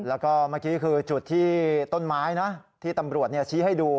แล้วก็เมื่อกี้คือจุดที่ต้นไม้นะที่ตำรวจชี้ให้ดู